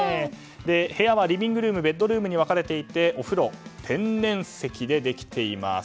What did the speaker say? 部屋はリビングルームベッドルームに分かれていてお風呂は天然石でできています。